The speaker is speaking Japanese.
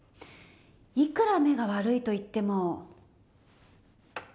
いくら目が悪いといっても。